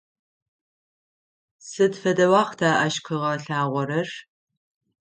Сыд фэдэ уахъта ащ къыгъэлъагъорэр?